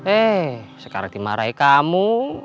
eh sekarang dimarahin kamu